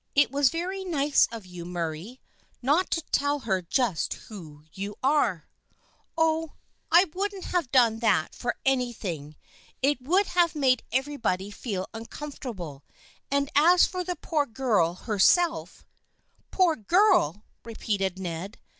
It was very nice of you, Murray, not to tell her just who you are." " Oh, I wouldn't have done that for anything. It would have made everybody feel uncomfortable and as for the poor girl herself "" Poor girl !" repeated Ned.